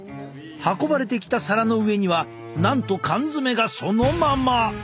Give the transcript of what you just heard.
運ばれてきた皿の上にはなんと缶詰がそのまま！